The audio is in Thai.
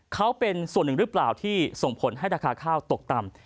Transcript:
เขาเป็นส่วนหนึ่งหรือเปล่าที่ส่งผลให้ราคาข้าวตกต่ำ